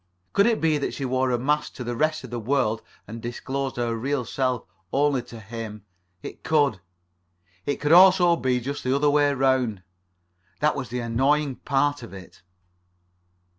Could it be that she wore a mask to the rest of the world, and disclosed her real self only to him? It could. It could also be just the other way round. That was the annoying part of it.